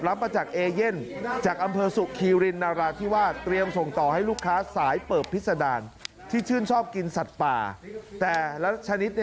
รับมาจากเอเย่นจากอำเภอสุขีรินนาราธิวาส